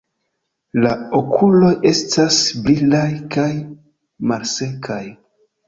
La okuloj estas brilaj kaj malsekaj.